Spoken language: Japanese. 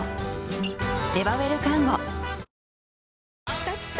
きたきた！